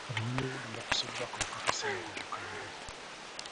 Abanoonyi b'obuddamu bakoseddwa akawuka ka ssenyiga omukambwe.